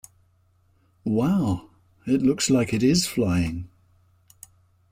Wow! It looks like it is flying!